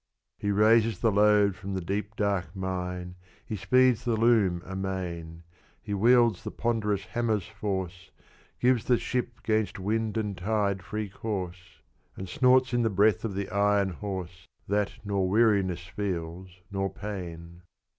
He raises the load from the deep dark mine, He speeds the loom amain; He wields the ponderous hammer's force, Gives the ship 'gainst wind and tide free course, And snorts in the breath of the iron horse That nor weariness feels, nor pain.